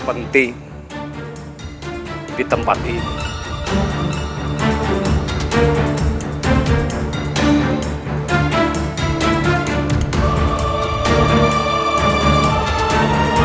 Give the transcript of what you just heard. untuk menjadi saksi